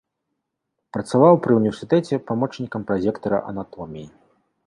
Працаваў пры ўніверсітэце памочнікам празектара анатоміі.